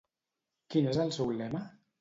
Quin és el seu lema?